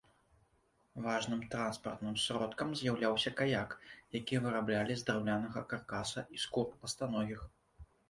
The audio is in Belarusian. Важным транспартным сродкам з'яўляўся каяк, які выраблялі з драўлянага каркаса і скур ластаногіх.